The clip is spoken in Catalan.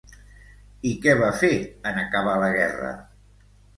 I què va fer, en acabar la Guerra?